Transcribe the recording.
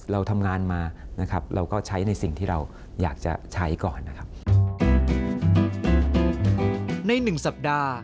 เราทำงานมานะครับ